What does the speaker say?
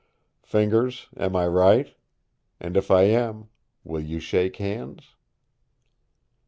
Fingers, am I right? And if I am, will you shake hands?"